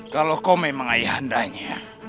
kalau kau memang ayah andanya